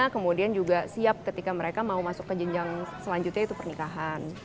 kemudian juga siap ketika mereka mau masuk ke jenjang selanjutnya itu pernikahan